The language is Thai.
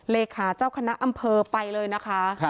เลขาเจ้าคณะอำเภอไปเลยนะคะ